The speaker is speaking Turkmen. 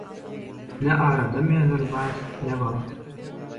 Ne arada menzil bar, ne wagt.